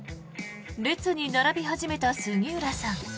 列に並び始めた杉浦さん。